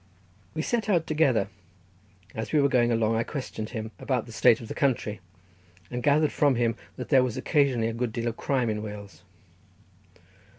We set out together; as we were going along I questioned him about the state of the country, and gathered from him that there was occasionally a good deal of crime in Wales.